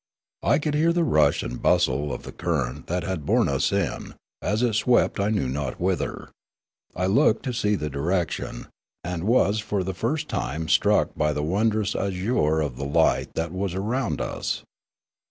I could hear the rush and bustle of the current that had borne us in, as it swept I knew not whither. I looked to see the direction, and was for the first time struck by the wondrous azure of the light that was around us.